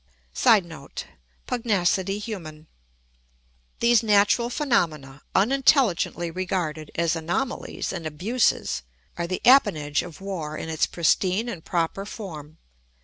[Sidenote: Pugnacity human.] These natural phenomena, unintelligently regarded as anomalies and abuses, are the appanage of war in its pristine and proper form.